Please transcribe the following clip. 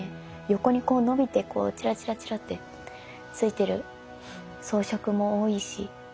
横に伸びてチラチラチラって付いてる装飾も多いし。